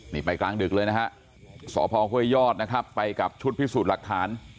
นี่ไปกลางดึกเลยนะฮะสพห้วยยอดนะครับไปกับชุดพิสูจน์หลักฐาน